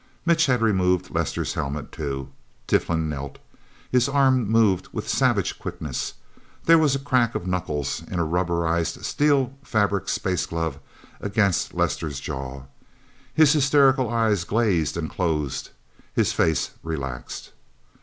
Mitch had removed Lester's helmet, too. Tiflin knelt. His arm moved with savage quickness. There was the crack of knuckles, in a rubberized steel fabric space glove, against Lester's jaw. His hysterical eyes glazed and closed; his face relaxed.